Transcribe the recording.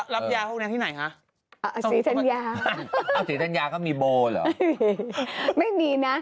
รับยาพวกนี้ที่ไหนคะ